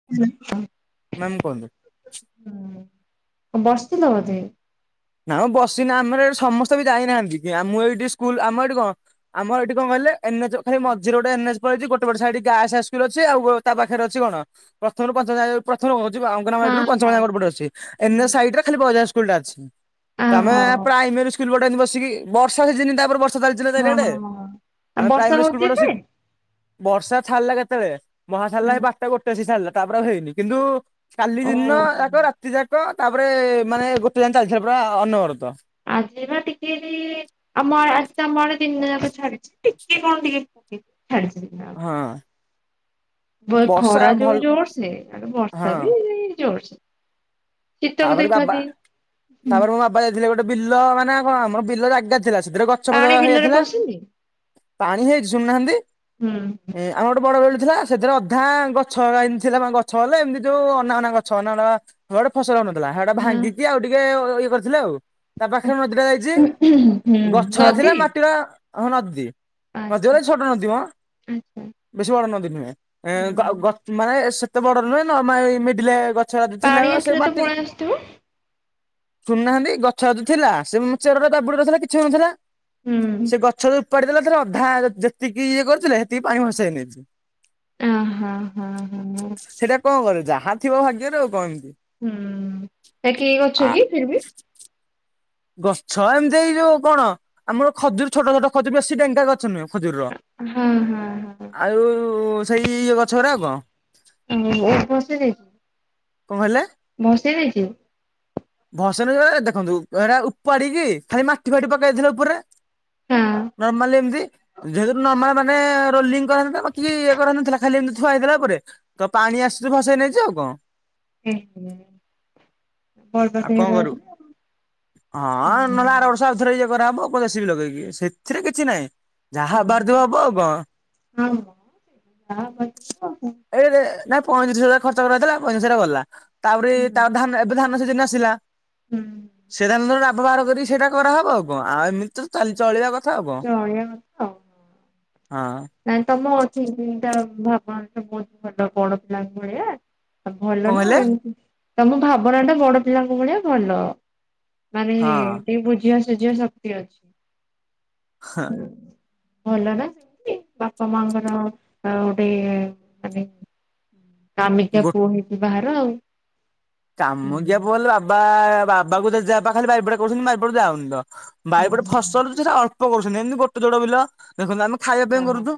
[inaudible] Ma'am କୁହନ୍ତୁ। ହଁ ବସିଥିଲ ବୋଧେ? ନା ମ ବସିନି ଆମର ଏଠି ସମସ୍ତେ ବି ଯାଇନାହାନ୍ତି କି ଆମ ଏଇଠି ସ୍କୁଲ ଆମ ଏଇଠି କଣ ଆମର ଏଠି କଣ କହିଲେ ଏନ ଏଚ ଖାଲି ମଝିରେ ଗୋଟେ ଏନ୍ ଏଚ ପଳଛି ଗୋଟେ ପଟେ ସାଇଟ୍ ଗାର୍ଲସ୍ ହାଇସ୍କୁଲ ଅଛି ଆଉ ତା ପାଖରେ ଅଛି କଣ ପ୍ରଥମରୁ ପଞ୍ଚମ ଯାଏ ପ୍ରଥମ କଉଛି ହଁ ଅଙ୍ଗନବାଡିରୁ ପଞ୍ଚମ ହଁ ଯାଏ ଗୋଟେପଟ ଅଛି ଏନ୍ ଏଚ ସାଇଡ଼ରେ ଖାଲି ବଏଜ୍ ହାଇସ୍କୁଲଟା ଅଛି। ଆ ତ ଆମେ ହୋ ହଁ ପ୍ରାଇମେରୀ ସ୍କୁଲ ପଟେ ଏମିତି ବସିକି ବର୍ଷା ସିଜିନି ତାପରେ ବର୍ ର୍ଷା ଚାଲିଛି ନା ଚାରିଆଡ଼େ ହଁ। ଆଉ ବର୍ଷା ପ୍ରାଇମେରୀ ସ୍କୁଲ ହଉଛି ପଟେ ବସି ଏବେ? ବର୍ଷା ଛାଡ଼ିଲା କେତେବେଳେ ବର୍ଷା ଛାଡିଲା ସେ ବାରଟା ଗୋଟେ ଅସି ଛାଡ଼ିଲା ତାପରେ ଆ ହେଇନି କିନ୍ତୁ କାଲି ଦିନ ଓହୋ ଯାକ ରାତି ଯାକ ତାପରେ ମାନେ ଗୋଟେ ଜାକେ ଚାଲିଥିଲା ପୁରା ଅନବରତ। ଆଜି ବା ଟିକେ ଜି ଆମ ଆଜି ତ ଆମଆଡ଼େ ଦିନ ଯାକ ଛାଡିଛି ଟିକେ କଣ ଟିକେ ଛାଡିଥିଲା। ହଁ। ବ ବର୍ଷା ଖରା ଭଲ ଯୋଉ ଜୋରସେ ଆଡେ ହଁ ବର୍ଷା ବି ଜୋରସେ। ଶୀତକୁ ତାପରେ ବାବା ଦେଖାଦିଏ ତାପରେ ମୋ ବାବା ଯାଇଥିଲେ ଗୋଟେ ବିଲ ମାନେ କଣ ଆମର ବିଲ ଜାଗା ଥିଲା ସେଥିରେ ଗ ଛ ପଛ ପାଣି ବିଲରେ ହେଇଯାଇଥିଲା ପଶୁନି? ପାଣି ହେଇ ଶୁଣୁ ନାହାନ୍ତି ହୁଁ ଆମର ଗୋଟେ ବଡ଼ ବିଲଟେ ଥିଲା ସେଥିରେ ଅଧା ଗଛ ଏ ଥିଲା ଗଛ ବୋଲେ ଏମିତି ଯୋଉ ଅନା ବନା ଗଛ ଅନା ବନା ଗୋଟେ ଫସଲ ହଉନଥିଲା ସେଟା ହଁ ଭାଙ୍ଗିକି ଆଉ ଟିକେ ଇଏ କରିଥିଲେ ଆଉ। ତା ପାଖରେ ନଦୀଟା ଯାଇଛି ହୁଁ ଗଛଟା ଥିଲା ନଦୀ? ମାଟିର ହ ନଦୀ। ଆଚ୍ଛା ନଦୀ ଛୋଟ ନଦୀ ମ ଆଚ୍ଛା ବେଶୀ ବଡ ନଦୀ ନୁହେଁ ଏଁ ହୁଁ ଗ ମାନେ ସେତେ ବଡ ନୁହେଁ ନର୍ମା ଏଇ ମିଡିଲେ ଗ ପାଣି ଆସିଲେ ତ ପଳେଇ ଆସଥିବ? ଶୁଣୁନାହାନ୍ତି ଗଛତ ଥିଲା ସେ ମାନେ ଚେରରା ଜାବୁଡି ରହିଥିଲା କିଛି ନଥିଲା ହୁଁ ସେ ଗ ଛ ଓପାଡ଼ି ଦେଲାପରେ ଅଧା ଯେ ଯେତିକି ଇଏ କରୁଥିଲେ ହେତିକି ପାଣି ଭସେଇ ନେଇଛି। ଓ ହଁ ହଁ ହ ସେଇଟା କଣ କରେ ଯାହା ଥିବ ଭାଗ୍ୟରେ ଆଉ କଣ। ହୁଁ ସେଟା କି ଆ ଗଛ କି ଫିର ବି? ଗଛ ଏମିତି ଏଇ ଯୋଉ କଣ ଆମର ଖଜୁରୀ ଛୋଟ ଛୋଟ ଖଜୁରୀ ବେଶୀ ଡ଼େଙ୍ଗା ଗଛ ନୁହେଁ। ଖଜୁରୀର ହଁ ହଁ ହଁ ଆଉ ସେଇ ଇଏ ଗଛ ଗୁରା ଆଉ କଣ। ଓହୋ ଫସି ଯାଇଛି? କଣ କହିଲେ? ଭସେଇ ଯାଇଛି? ଭସେଇ ନେଇଚି ମାନେ ଦେଖନ୍ତୁ ଏଟା ଉପାଡିକି ଖାଲି ମାଟି ଫାଟି ପକେଇଥିଲେ ଉପରେ ହଁ। ନର୍ମାଲି ଏମିତି ଯେହେତୁ ନର୍ମାଲ ମାନେ ରୋଲିଙ୍ଗ କରା ହେଇନଥିଲା କି ଇଏ କରାହେଇଥିଲା ଖାଲି ହେନ୍ତି ଥୁଆ ହେଇଥିଲା ଉପରେ ତ ପାଣି ଆସୁଛି ଭସେଇ ନେଇଛି ଆଉ କଣ। ଏହେ ଆଉ କଣ କରୁବୁ ହଁ ନହେଲେ ଆର ବର୍ଷ ହୁଁ ଆଉଥରେ ଇଏ କରାହେବ ଜେ ସି ବି ଲଗେଇକି ସେଥିରେ କିଛି ନାହିଁ ଯାହା ଆବାର ଥିବ ହବ ଆଉ କଣ। ହଁ କରିଥିବ ଆଉ କଣ। ଏଇ ନାଇ ପଇଁତିରିଶ ହଜାର ଖର୍ଚ୍ଚ କରାହେଇଥିଲା ପଇଁତିରିଶ ହଜାର ଗଲା ତାପରେ ହୁଁ ତା ଧା ଏବେ ଧାନ ସିଜିନ ଆସିଲା ହୁଁ [unintelligible] କରି ସେଟା କରାହବ ଆଉ କଣ ଆଉ ଏମିତି ତ ଚାଲି ଚଳିବା କଥା ଆଉ ହଁ ଚଳିବା କଥା ଆଉ। ନାଇଁ ତମ ଅଛି ତା ଭାବନ ସବ ଅଛି ଭଲ କଣ ପିଲାଙ୍କ ଭଳିଆ ଭଲ କଣ ନା କହିଲେ ତମକୁ ଭାବନାଟ ବଡ ପିଲାଙ୍କୁ ମିଳେ ଭଲ। ମାନେ ହଁ ବୁଝିିବା ସୁଝିବା ଶକ୍ତି ଅଛି। ହଁ। ଭଲ ନା ସେମତି ବାପା ମାଙ୍କର ଗୋଟେ କାମିକା ଗୋ ପୁଅ ହେଇକି ବାହର ଆଉ। କାମକିଆ ପଲେ ବାବା ବାବାକୁ ଯା ଖାଲି ବିପେଡ କରୁଛନ୍ତି ବାରପେଡକୁ ଯାାଉନି ତ। ହଁ ବାୟୁପୋଟେ ଫସଲଛି ସେଟା ଅଳ୍ପ କରୁଛନ୍ତି ଏମିତି ଗୋଟେ ଜୋଡ ବିଲା ଦେଖନ୍ତୁ ଆମେ ଖାଇବା ପାଇଁ କରୁଛୁ।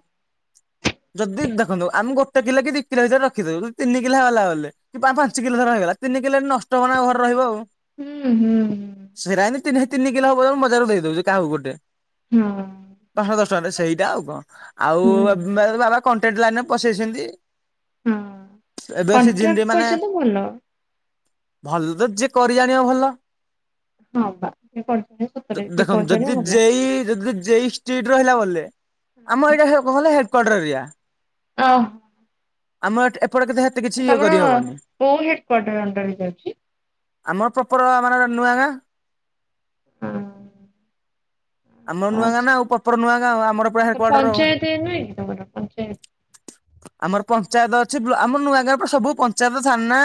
ଯଦି ଦେଖନ୍ତୁ ଆମେ ଗୋଟେ କିଲୋ କି ଦି କିଲୋ ଭିତରେ ରଖିଦଉୁ ଯଦି ତିନି କିଲା ହେଲା ବଲେ କି ପାଞ୍ଚ କିଲୋ ଧର ହେଇଗଲା ତିନ କିଲ ଏ ନଷ୍ଟ ହବ ନା ଘରେ ରହିବ ଆଉ। ହୁଁ ହୁଁ। ହୁଁ ସେଇା ତିନି ତିନ କିଲ ହବ ମଜାକୁ ଦେଇଦଉଛି କାହାକୁ ଗୋଟେ। ହଁ। ପାଞ୍ଚହ ଦଶ ଟଙ୍କାରେ ସେଇଟା ଆଉ କଣ ହୁଁ। ଆଉ ବାବା କଣ୍ଟେଣ୍ଟ ଲାଇନରେ ପସେଇଛନ୍ତି। ହଁ ଏବେ କଣ୍ଟ୍ରାକ୍ଟ ସିଜିନରେ ପଇସା ମାନେ ତ ଭଲ। ଭଲ ତ ଯିଏ କରି ଆାଣିବା ଭଲ। ହଁ ବା କରୁଛନ୍ତି ସତରେ ଯିଏ ଦେଖନ୍ତୁ କରୁଛନ୍ତି ଯଦି ଭଲ ଯେଇ ଯଦି ଯେଇ ଷ୍ଟ୍ରିଟ୍ ରହିଲା ବୋଲେ ଆମ ଏଇଟା କହ ହେଲେ ହେଡ଼କ୍ୱାଟର ଏରିଆ। ଆଉ। ଆମର ଏପଟ [unintelligible] ତମର ବୋଉ ହେଡ କ୍ୱାର୍ଟର ଅଣ୍ଡରେ ଯାଉଛି? ଆମର ପ୍ରପର ମାନେ ନୂଆ ଗାଁ। ହଁ। ଆମର ନୂଆ ଗାଁ ନା ଆଉ ପପର ନୂଆ ଗାଁ ଆମର ପୁରା ହେଡକ୍ୱାର୍ଟର ଆଉ। ପଞ୍ଚାୟତ ନୁହଁ କି ତମର ପଞ୍ଚାୟତ ଆମର ପଞ୍ଚାୟତ ଅଛି ଆମର ନୂଆ ଗାଁ ସବୁ ପଞ୍ଚାୟତ ଥାନା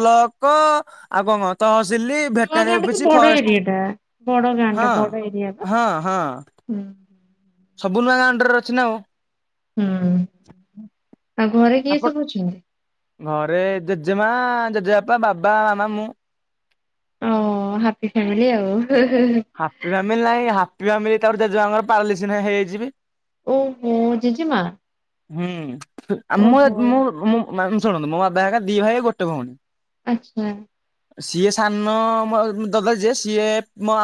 ବ୍ଲକ। ଆଉ କଣ ତହସିଲି ନୂଆ ଗାଁ ଭେଟନାରୀ ଟା ତ ଅଫିଛି ବଡ ଫରେଷ୍ଟ ଏରିଆ ଟା ବଡ ଗାଁ ଟା ହଁ ବଡ ଏରିଆ ବା। ହଁ ହଁ। ହୁଁ। ସବୁ ନୂଆ ଗାଣ୍ଡ ର ଅଛି ନା ଆଉ। ହୁଁ ଆଉ ଘରେ କିଏ ଆପଣ ସବୁ ଅଛନ୍ତି? ଘରେ ଜେଜେମା ଜେଜେବାପା ବାବା ମାମା ମୁଁ। ଓ ହାପି ଫ୍ୟାମିଲି ଆଉ। ହାପି ଫ୍ୟାମିଲି ନହିଁ ହାପି ଫାମିଲି ତାର ଜେଆଙ୍କର ପାଳଲି ସନା ହେଇଯିବି। ଓହୋ ଜେଜେମା ହୁଁ ଓହୋ ଶୁଣନ୍ତୁ ମୋ ବାବା ହେ ଦି ଭାଇଉ ଗୋଟେ ଭଉଣୀ ଆଚ୍ଛା। ସିଏ ସାନ ଦଦ ଯେ ସିଏ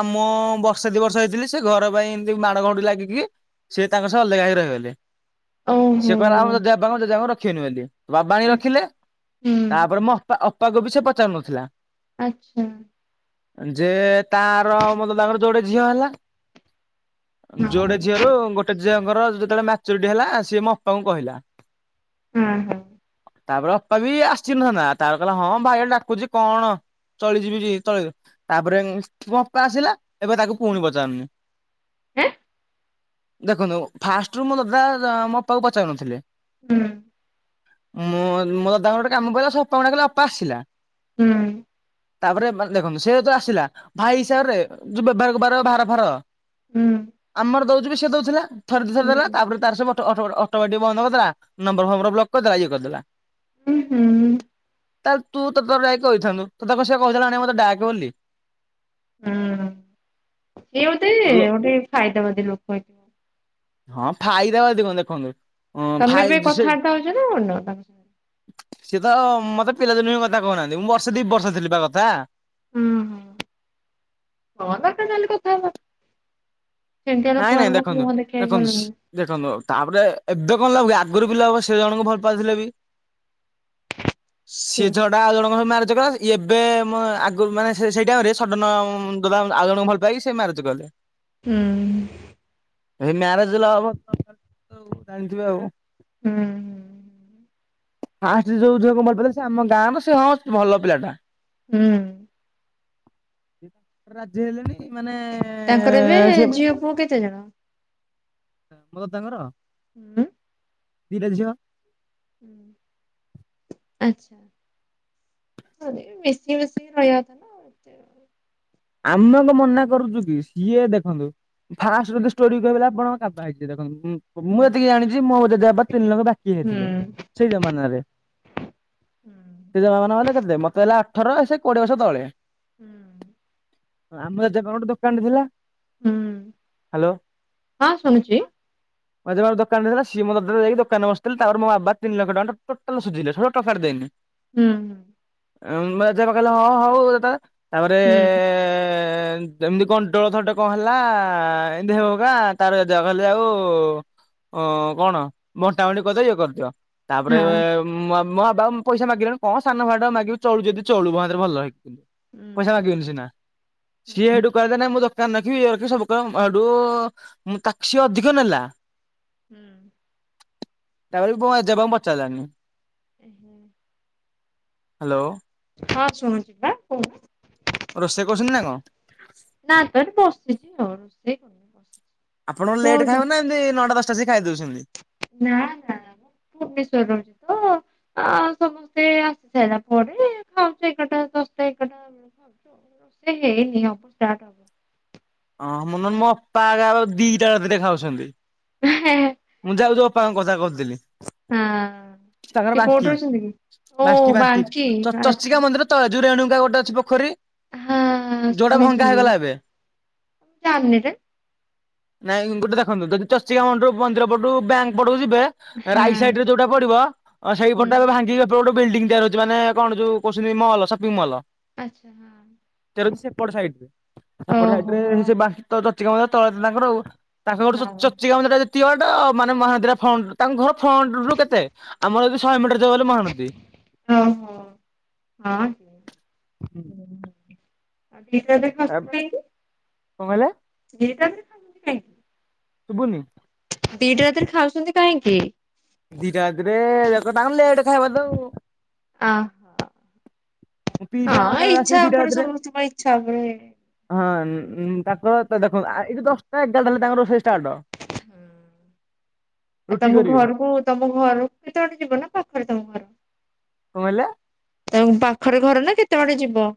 ଆମ ବର୍ଷା ଦୁି ବର୍ଷ ହେଇଥିଲି ସେ ଘର ପାଇଁ ଏମତି ମାଡ ଘଡି ଲାଗିକି। ସେି ତାଙ୍କ ସହ ଅଲଗା ହେଇି ରହିଗଲେ ସେ ଓହୋ କହିଲା ଆମ ଦେ ଦେ ରଖିବ ନୁହନ୍ତି। ବାବାଣ ଆଛା ରଖିଲେ ହୁଁ ତାପରେ ମୋ ଅା ଅପାକୁ ବି ସେ ପଚାରୁନଥିଲା। ଆଛା। ଯେ ତା ତାଙ୍କର ମୋ ଦୟା ଙ୍କର ଯୋଡେ ଝିଅ ହେଲା ହଁ। ଯୋଡେ ଝିଅ ର ଗୋ ଗୋଟେ ଝିଅଙ୍କର ଯେତେବେଳେ ମାଚୁରିଟି ହେଲା ସିଏ ମୋ ଅପାଙ୍କୁ କହିଲା। ହୁଁ ହୁଁ। ତାପରେ ଅପା ବି ଆସି ନଥାନ୍ତା ତାପରେ କହିଲା ହଁ ଭାଇ ଗୋଟେ ଡାକୁଛି କଣ? ଚଳିଯିବି ଚଳି ତାପରେ ଅପା ଆସିଲା ଏବେ ତାକୁ ପୁଣି ପଚାରୁନି। [unintelligible] ଦେଖନ୍ତୁ ଫାଷ୍ଟରୁୁ ମୋ ଦାଦା ମୋ ଅପାକୁ ପଚାରୁନଥିଲେ। ମୋ ଦଦା ଙ୍କର ଗୋଟେ କାମ ପଇଲା ସେ ଅପା ଙ୍କୁ ଡାକିଲା ମୋ ଅପା ଆସିଲା। ହୁଁ ତାପରେ ମାନେ ଦେଖନ୍ତୁ ସେ ତ ଆସିଲା। ଭାଇ ହିସାବରେ ଯୋଉ ବେଭାର ହେବାର ଭାର ଫାର ହୁଁ। ଆମର ଦଉଛୁ ବି ସେ ଦଉଥିଲାଥ ଥରେ ଦି ଥର ହୁଁ। ଦେଲା ତାପରେ ତାର ସେ ବ ଅଟୋ ମେଟିକ୍ ବନ୍ଦ କରିଦେଲା ନମ୍ବର ଫର ବ୍ଲକ କରିଦେଲା ଇଏ କରିଦେଲା। ହୁଁ ହୁଁ। ତାହେଲେ ତୁ ତୋତର ଯାଇକି କହିଥାନ୍ତୁ ତୋତେ କହିଥିଲା ସେ କହିଥିଲା ଆଣି ମତେ ଡାକେ ବୋଲି। ଏଇ ଏଗୋଟେ ଲୋ ଗୋଟେ ଫାଇଦାବାଦୀ ଲୋକ ଏଠେ ହଁ ଫାଇଦାବାଦି ଦେଖନ୍ତୁ। ହଁ ତମେ ଫାଇ ବି ସେ କଥାବାର୍ତ୍ତା ହଉଛ ନା ହଉନ ତାଙ୍କ ସାଙ୍ଗରେ? ସିଏ ତ ମତେ ପିଲାଦିନ ହୁଁ କଥା କହୁନାହାନ୍ତି ମୁଁ ବର୍ଷେ ଦି ବର୍ଷ ବା କଥା। ହୁଁ ହୁଁ [unintelligible] କଥା ହବ। ସେମିତିଆ ନାଇଁ ନାଇଁ ଲୋକମାନଙ୍କ ଦେଖନ୍ତୁ ମୁହଁ ଦେଖିବା ଦେଖନ୍ତୁ ଭଲ ସି ନୁହେଁ। ଦେଖନ୍ତୁ ତାପରେ ଏବେ କଣ ଲାଗୁଚି ସେ ଆଗରୁ ସେ ଜଣଙ୍କୁ ଭଲ ପାଉଥିଲେ ବି। ସିଏ [unintelligible] ଦଦା ଆଉ ଜଣଙ୍କୁ ସହ ମାରେଜ୍ କଲା ଏବେ ମୁଁ ଆଗରୁ ମାନେ ସିଏ ସେ ଟାଇମ୍ ରେ ସଡନ୍‌ ଦଦା ଆଉ ଜଣ କୁ ଭଲ ଭଲ ପାଇକି ସେ ମାରେଜ୍ କଲେ। ହୁଁ। ଏଇ ମାରେଜ୍ ଲଭ ହବ ଜାଣିଥିବେ ଆଉ। ହୁଁ। ଫାଷ୍ଟ ଯୋଉଝିଅ ଭଲ ପାଉଥିଲେ ସେ ଆମ ଗାଁରୁ ସେ ହଁ ଭଲ ପିଲାଟା। ହୁଁ ରାଜି ହେଲେଣି ମାନେ ତାଙ୍କର ଏବେ ସେ ବି ଝିଅ ପୁଅ କେତେ ଜଣ? ମୋ ଦଦା ଙ୍କର। ହୁଁ। ଦି ଇଟା ଝିଅ। ଆଚ୍ଛା। ମିଶି ମାଶିକି ରହିବା କଥା। ନା ଏତେ ଆମେ କଣ ମନା କରୁଛୁ କି ସିଏ ଦେଖନ୍ତୁ। ଫାଷ୍ଟ୍ ରୁ ଯଦି ଷ୍ଟୋରି କହିବିନା ଆପଣ କାବା ହେଇଯିବେ ଦେଖନ୍ତୁ। ମୁଁ ହୁଁ ଏତିକି ଜାଣିଛି ମୋ ଜେଜେବାପା ତିନି ଲକ୍ଷ ବାକି ହୁଁ ହେଇଥିଲେ ସେଇ ଜମାନରେ। ସେ ଜମାନା ହେଲେ କେତେ ମତେ ହେଲା ଅଠର ସେ କୋଡିଏ ବର୍ଷ ତଳେ ହୁଁ। ଆମେ ଜେଜେ ଙ୍କ ଦୋକାନ ଗୋଟେ ଥିଲା। ହୁଁ ହଁ ଶୁଣୁଛି। ହଁ [inaudible] ଜେଜେ ବାପା ଗୋଟେ ଦୋକାନ ଦେଇ ଥିଲା ସିଏ ମୋର କତିରେ ଜାଇ ଦୋକାନ ରେ ବସିଥିଲେ ତାପରେ ମୋ ବାବା ତିନି ଲକ୍ଷ ଟଙ୍କା ଟୋଟାଲ ସୁଝିଲେ ସେ ଟଙ୍କାଟେ ଦେଇନି। ହୁଁ। ମଝିଆ ବାପା କହିଲେ ହଁ ହଉ ତାପରେ ଏ ହୁଁ ଏ ଏମିତି କଣ୍ଟୋଳ ଥରଟେ କଣ ହେଲା ଏମତି ହୋଉହୌକା ତାର ଜଗଲ ଆଉ। ଓ କଣ ବଣ୍ଟାବଣ୍ଟି କରିଦେବି ଇଏ କରୁଛ। ତାପରେ ହଁ ମୋ ବାପା ଙ୍କୁ ପଇସା ମାଗିଲା ରୁ କଣ ସାନ ଭାଈ ଟାକୁ ମାଗିବି ଚଳୁଚି ଯଦି ଚଳୁ ମୋ ହାତରୁ ଭଲ ହେଇକି। ପଇସା ହୁଁ ମାଗିବେନି ସିନା ସିଏ ହୁଁ। ସେଠୁ କରିଦେ ନେ ମୁଁ ଜା ନଥିବି ଇଏ ହେଉଥିବ ସବୁ କହିବ ଆଡୁ ତାକୁ ସେ ଅଧିକ ନେଲା। ହୁଁ। ତା ପରେ ମୋ ଜେଜେ ପା ଙ୍କୁ ପଚରିଲାନିଁ। ଓ ହଁ [inaudible] ହାଲୋ। ହଁ ଶୁଣୁଛି ପା କୁହନ୍ତୁ। ରୋଷେଇ କରୁଛନ୍ତି ନା କଣ? ନା ନା ବସିଥିଲି ତ ଏଇ। ଆପଣ ଲେଟ୍ ଖାଇବା ନା ଏମିତି ନଅଟା ଦଶଟା ସେଇ ଖାଇ ଦେଉଛନ୍ତି। ନା ନା ଭୁବନେଶ୍ଵର ରହୁଛି ତ। ଆ ସମସ୍ତେ ଆସି ସାରିଲା ପରେ ଖାଉଛି ଏଗାର ଟା ଦଶ ଟା ଏଗାରଟା। ହ [inaudible] ସେ ହେଇନି ଅବ ଷ୍ଟାର୍ଟ। ଅଁ ମୁଁ ନୁହେଁ ମୋ ଅପା ଆ କା ଦିଟା ରାତିରେ ଖାଉଛନ୍ତି ହଁ। ମୁଁ ଯାଉ ଯାଉ ଅପାଙ୍କ କଥା କରୁଥିଲି। ତାଙ୍କର ସେ କୋଉଠି ବାସ୍କି ଅଛନ୍ତି କି? ଓ ବାସ୍କି ବାଙ୍କୀ ବାସ୍କିଟି ଆଚ୍ଛା ଚର୍ଚିକା ମନ୍ଦିର ତ ଏଜୁ ରେଣୁକା ଗୋଟେ ଅଛି ପୋଖରୀ, ହଁ ଯୋଉଟା ଭଙ୍ଗା ହେଇଗଲା ଏବେ। କାମିନୀରେ। ନାଇଁ ଗୋଟେ ଦେଖନ୍ତୁ ଯଦି ଚର୍ଚିକା ମଣ୍ଡରୁ ମନ୍ଦିର ପଟରୁ ବ୍ୟାଙ୍କ ପଟକୁ ଯିବେ। ହଁ ରାଇଟି ସାଇଡିରେ ରେ ଯୋଉଟା ପଡିବ ହୁଁ ସେଇପଟ ରେ ଭାଙ୍ଗିକି ଗୋଟେ ବିଲ୍ଡିଂ ତିଆରି ହଉଛି ମାନେ କଣ ଯଉ କହୁଛନ୍ତି ମଲ ସପିଙ୍ଗି ମଲ। ଆଚ୍ଛା ହଁ। ତାର ସେପଟ ସାଇଟି। ଓହୋ ସେ ବାସିକା ଚର୍ଚିକା ମନ୍ଦିର ତଳେ ତାଙ୍କର ଆଉ ତାଙ୍କର ସବୁ ଓହୋ। ଚର୍ଚିକା ମନ୍ଦିରରେ ସେତିକି ବାଟ ମାନେ ମହାନ୍ଦୀରା ଫ୍ରଣ୍ଟ ତାଙ୍କ ଘର ଫ୍ରଣ୍ଟ ରୁ କେତେ ଆମର ଯଦି ଶହେ ମିଟର ଗଲୁ ମହାନଦୀ। ହୁଁ ହୁଁ। [unintelligible] ତା କୁ କଣ କହିଲେ? [unintelligible] ଶୁଭୁନି। ଦିଟା ରାତିରେ ଖାଉଛନ୍ତି କାହିଁକି? ଦିଇଟା ରାତିରେ ଯେତେ ତାଙ୍କର ଲେଟ ଖାଇବା ତ ଆଉ। ଆ ମୋ ପିଇସା ହଁ ତାଙ୍କର ଆସିକି ଇଛା ଦିଟା ଆପଣା ର ରାତିରେ ସମସ୍ତ ପାଇଁ ଇଚ୍ଛା ହୁଁଏ। ହଁ ତାଙ୍କର ତ ଦେଖନ୍ତୁ ଆୟେ ଏ ଯୋଉ ଦଶଟା ଏଗାରଟା ହେଲେ ତାଙ୍କର ରୋଷେଇ ଷ୍ଟାର୍ଟ। [inaudible] ଆଉ ତମ କରିବେ। ଘରକୁ ତମ ଘର କେତେ ବାଟ ଯିବ ନା ପାଖରେ ତମ ଘର। କଣ ହଲେ? ତାଙ୍କ ପାଖରେ ଘର ନା କେତେ ବାଟ ଯିବ?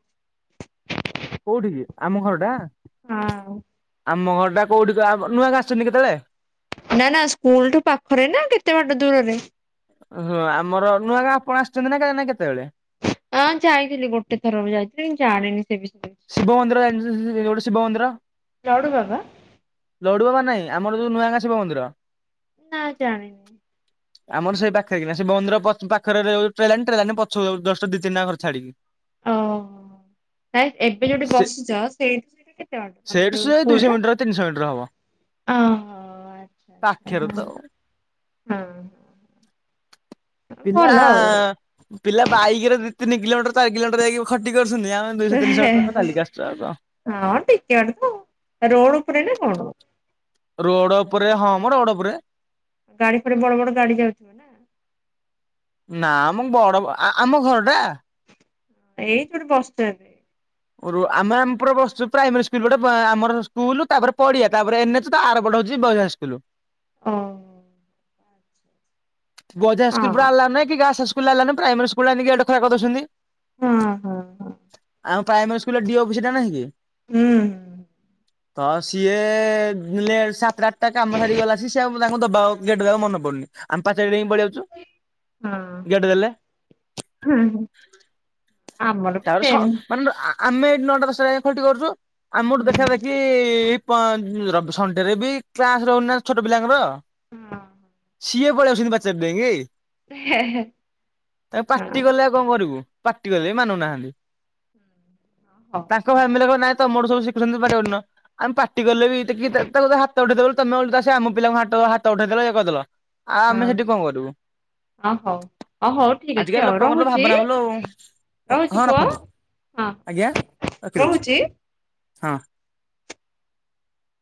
କଉଠି କି, ଆମ ଘର ଟା ହଁ। ଆମ ଘରଟା କଉଠି ତ, ନୂଆଁ ଗାଁ ଆସଛନ୍ତି କେତେବେଳେ? ନା ନା, ସ୍କୁଲଠୁ ପାଖରେ ନା କେତେ ବାଟ ଦୂରରେ? ଓହୋ। ଆମର ନୂଆ ଗାଁ ଆପଣ ଆସିଛନ୍ତି ନା କାଁଇଁ ନା କେତେବେଳେ? ହଁ ଯାଇଥିଲି ଗୋଟେ ଥର ଯାଇଥିଲି କିନ୍ତୁ ଜାଣିନି ସେ ବିଷୟରେ। ଶିବ ମନ୍ଦିର ଜାଣିଚନ୍ତି -ଗୋଟେ ଶିବ ମନ୍ଦିର? ଲଡ଼ୁ ବାବା। ଲଡ଼ୁ ବାବା ନାହିଁ। ଆମର ଯଉ ନୂଆ ଗାଁ ଶିବ ମନ୍ଦିର। ନାଁ ଜାଣିନି। ଆମର ସେଇ ପାଖରେ କିନା, ଶିବ ମନ୍ଦିର ପଛ ପାଖର ରେ ଟ୍ରେନଲାଇନ। ଟ୍ରେନଲାଇନ ପଛ ଯଷ୍ଟ ଦି ତିନିଟା ଘର ଛାଡିକି। ଓହୋ। ନାଇଁ ଏବେ ଯଉଠି ସେ ବସିଚ ସେଇଠୁ ସେଇଟା କେତେ ବାଟ। ତମେ ସେଇଠୁ ଯଉ ସେ ସ୍କୁଲ ଦୁଇଶହ ଟା? ମିଟର ତିନିଶହ ମିଟର ଓହୋ ଆଚ୍ଛା ଆଚ୍ଛା ପାଖେରେ ତ ଆଉ। ହଁ, ହଁ। ପିଲା ଭଲ ପିଲା ବାଇକି ରେ ଦି ତିନି କିଲୋମିଟର ଚାରି କିଲୋମିଟର ଯାଇକି ଖଟି କରୁଛନ୍ତି। ଆମେ ଦୁଇଶହ ତିନିଶହ ମିଟର କ ଆଉ। ତାଲିକା ଆସୁ ଆଗ। ହଁ ଟିକେ ବାଟ ତ ଆଉ, ରୋଡ ଉପରେ ନା କଣ? ରୋଡ ଉପରେ, ହଁ ମ ରୋଡ ଉପରେ ଗାଡି ଫାଡି ବଡ ବଡ ଗାଡି ଯାଉଛି। ନାମ ବଡ କଣ ଆ ଆମ ଘର ଟା? ଏଇ ଯଉଠି ବସିଚ ଏବେ। ଆମେ ଆମେ ପୁରା ବସଚୁ ପ୍ରାଇମେରୀ ସ୍କୁଲ ଗୋଟେ ଆମର ଯଉ ସ୍କୁଲୁ ତାପରେ ପଡିଆ, ତାପରେ ଏନେ ତା ଆର ପଟେ ହଉଛି ବଏଜ ହାଇସ୍କୁଲ। ଓ ବଏଜ ହଁ ସ୍କୁଲରେ ହଁ ଆଲାଉ ନାହିଁ, କି ଗାର୍ଲସ ହାଇସ୍କୁଲରେ ଅଲାଉ ନାହିଁ। ପ୍ରାଇମେରୀ ସ୍କୁଲରେ ଆଣିକି ଆଡିମିସନ୍ କରିଦଉଛନ୍ତି। ହଁ ହଁ ଆମ ପ୍ରାଇମାରୀ ସ୍କୁଲରେ ଡିଓ ଅଫିସି ଟା ନାହିଁ କି? ହୁଁ। ତ ସିଏ [unintelligible] ସାତଟା ଆଠଟା କାମ ସାରିକି ଗଲାସୀକି ସିଏ ତାଙ୍କୁ ଦବା ଗେଟ ଦେବାକୁ ମନେ ପଡୁନି ଆମେ ପାଚେରି ଡେଇଁକି ପଳେଇଆଉଚୁ, ଗେଟ୍ ଦେଲେ। ହଁ, ହଁ। ଆମର ବି ତାପରେ ସ ସେମ୍ ମାନେ ଆମେ ଏଇଠି ନଅଟା ଦଶଟା ଯାଏ ଖଟି କରୁଚୁ। ଆମଠୁ ଦେଖା ଦେଖି ସଣ୍ଡେରେ ବି କ୍ଲାସ ରହୁନି ନା ଛୋଟ ପିଲାଙ୍କର। ହଁ ସିଏ ପଳେଇଆସୁଚନ୍ତି ପାଚେରି ଡ଼େଇଁକି, ହେ ହେ ତାଙ୍କୁ ପାଟି କଲେ ଆଉ କଣ କରିବୁ। ପାଟି କଲେ ବି ମାନୁନାହାନ୍ତି। ହଁ। ତାଙ୍କ ଫ୍ୟାମିଲି ରେ କହିବେ ନାଇଁ ତମଠୁ ସବୁ ଶିଖୁଛନ୍ତି ପାଟି କରୁନ। ଆମେ ପାଟି କଲେ ବି ଟିକେ ତା ତାକୁ ହା ହାତ ଉଠେଇଦେଲେ ତମେ ଓଲଟି ଆ ସେ ଆମ ପିଲାଙ୍କୁ ହ ହାତ ଉଠେଇଦଲ ଇଏ କରିଦେଲ, ହଉ ଆମେ ହଁ ସେଠି କଣ କରିବୁ। ଅ ହଉ ଅ ହଉ ଠିକ ଅଛି ଆଜିକାଲି ଆଉ ଲୋକଙ୍କର ତ ରହୁଛି ଭାବନା ଭୁଲୁ ଆଉ ରହୁଛି ହଁ ପୁଅ। ରଖନ୍ତୁ, ହଁ ଆଜ୍ଞା ରଖିଦଉଛି ରହୁଛି। ହଁ।